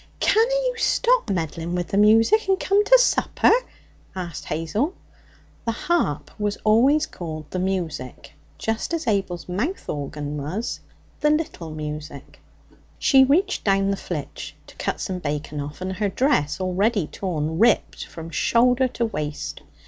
'Canna you stop meddling wi' the music and come to supper?' asked Hazel. The harp was always called 'the music,' just as Abel's mouth organ was 'the little music.' She reached down the flitch to cut some bacon off, and her dress, already torn, ripped from shoulder to waist.